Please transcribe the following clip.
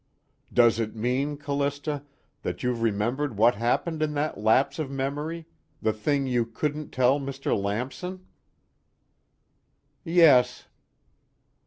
"Does it mean, Callista, that you've remembered what happened in that lapse of memory the thing you couldn't tell Mr. Lamson?" "Yes."